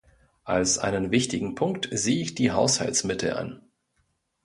Als einen wichtigen Punkt sehe ich die Haushaltsmittel an.